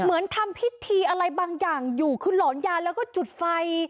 เหมือนทำพิธีอะไรบางอย่างอยู่คือหลอนยาแล้วก็จุดไฟ